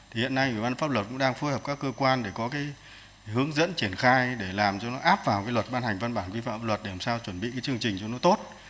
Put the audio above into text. thì hiện nay ủy ban pháp luật cũng đang phối hợp các cơ quan để có cái hướng dẫn triển khai để làm cho nó áp vào cái luật ban hành văn bản quy phạm pháp luật để làm sao chuẩn bị cái chương trình cho nó tốt